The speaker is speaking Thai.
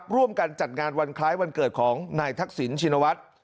ร่วมกันจัดงานวันคล้ายวันเกิดของนายทักษิณชินวัฒน์